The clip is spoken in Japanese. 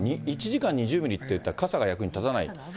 １時間に２０ミリっていったら、傘が役に立たない。